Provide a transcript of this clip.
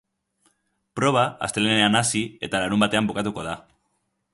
Proba astelehenean hasi eta larunbatean bukatuko da.